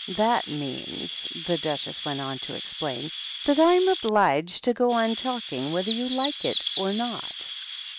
" That means," the Duchess went on to explain, " that I'm obliged to go on talking whether you like it or not."